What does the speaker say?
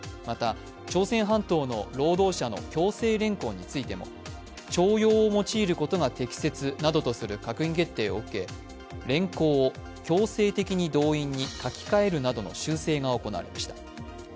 また朝鮮半島の労働者の強制連行についても徴用を用いることが適切などとする閣議決定を受け「連行」を「強制的に動員」に書き換えるなどの修正が行われました。